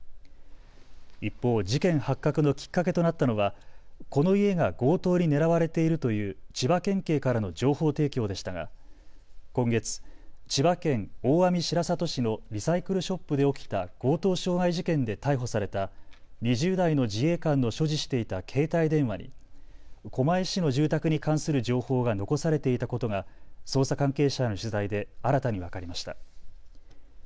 一方、事件発覚のきっかけとなったのはこの家が強盗に狙われているという千葉県警からの情報提供でしたが今月、千葉県大網白里市のリサイクルショップで起きた強盗傷害事件で逮捕された２０代の自衛官の所持していた携帯電話に狛江市の住宅に関する情報が残されていたことが捜査関係者への取材で新たに分かりました。